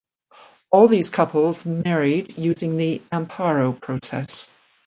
All these couples married using the "amparo" process.